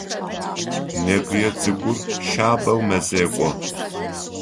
Нэгые цӏыкӏур шъабэу мэзекӏо.